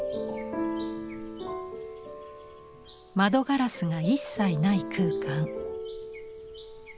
窓ガラスが一切ない空間。